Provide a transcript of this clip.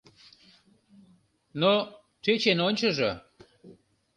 Ну, тӧчен ончыжо.